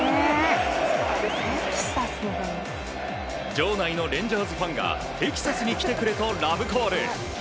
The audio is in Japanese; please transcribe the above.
場内のレンジャーズファンがテキサスに来てくれとラブコール。